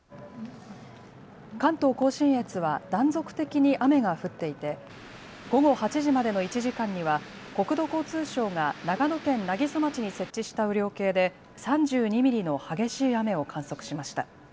関東甲信越は断続的に雨が降っていて午後８時までの１時間には国土交通省が長野県南木曽町に設置した雨量計で３２ミリの激しい雨を観測しました。